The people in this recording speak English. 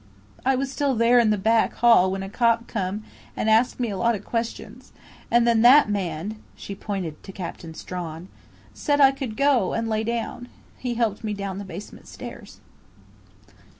"I was still there in the back hall when a cop come and asked me a lot of questions, and then that man " she pointed to Captain Strawn, " said I could go and lay down. He helped me down the basement stairs."